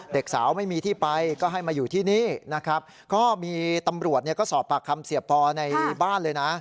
เด็กสาวไม่มีที่ไปก็ให้มาอยู่ที่นี่นะครับก็มีตำรวจเนี่ยก็สอบปากคำเสียปอในบ้านเลยนะ